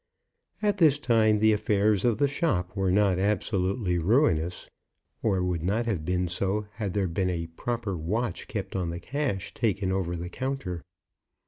At this time the affairs of the shop were not absolutely ruinous, or would not have been so had there been a proper watch kept on the cash taken over the counter.